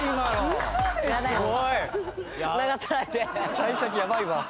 幸先やばいわ。